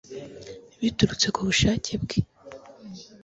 biturutse ku bushake bwe